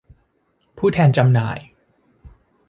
ผู้แทนจำหน่าย